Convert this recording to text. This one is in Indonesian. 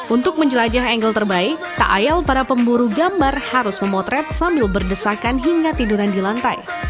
untuk menjelajah angle terbaik tak ayal para pemburu gambar harus memotret sambil berdesakan hingga tiduran di lantai